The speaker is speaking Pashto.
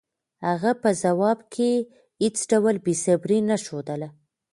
هغه په ځواب کې هېڅ ډول بېصبري نه ښودله.